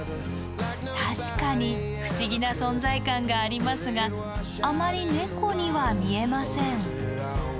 確かに不思議な存在感がありますがあまり猫には見えません。